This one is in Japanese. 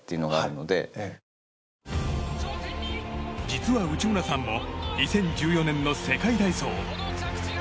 実は、内村さんも２０１４年の世界体操。